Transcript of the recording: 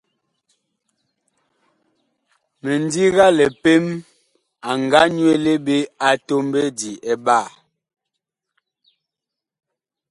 Mindiga lipem, a nga nyuele ɓe a tɔmbedi ɓaa.